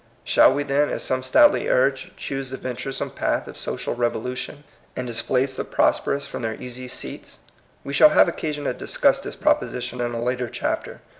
Shall we then, as some stoutly urge, choose the venturesome path of social revolution, and displace the prosperous from their easy seats? We shall have occasion to discuss this proposition in a later chapter.